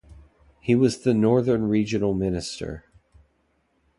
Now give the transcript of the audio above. He was the Northern Regional Minister.